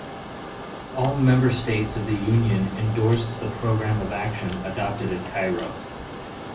All Member States of the Union endorsed the Programme of Action adopted at Cairo.